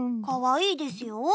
かわいいですよ。